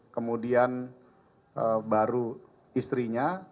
kemudian baru istrinya